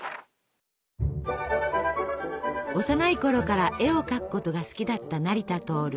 幼いころから絵を描くことが好きだった成田亨。